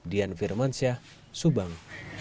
dian firmansyah subang